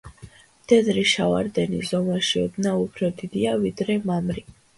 მდედრი შავარდენი ზომაში ოდნავ უფრო დიდია, ვიდრე მამრი.